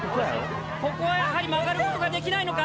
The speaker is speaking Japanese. ここはやはり曲がることが出来ないのか？